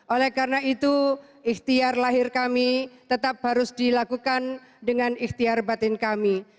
oleh karena itu ikhtiar lahir kami tetap harus dilakukan dengan ikhtiar batin kami